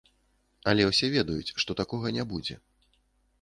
Але ўсе ведаюць, што такога не будзе.